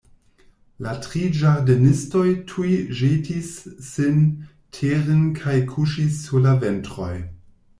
La tri ĝardenistoj tuj ĵetis sin teren kaj kuŝis sur la ventroj.